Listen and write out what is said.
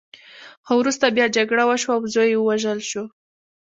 خو وروسته بیا جګړه وشوه او زوی یې ووژل شو.